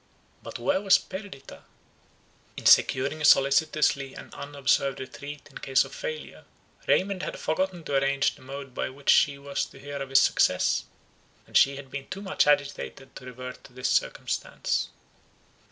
But where was Perdita? In securing solicitously an unobserved retreat in case of failure, Raymond had forgotten to arrange the mode by which she was to hear of his success; and she had been too much agitated to revert to this circumstance.